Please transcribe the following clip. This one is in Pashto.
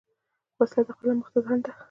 وسله د قلم مخ ته خنډ ده